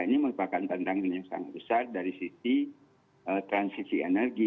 ini merupakan tantangan yang sangat besar dari sisi transisi energi